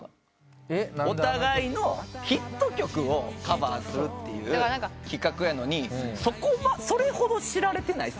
お互いのヒット曲をカバーするっていう企画やのにそれほど知られてない。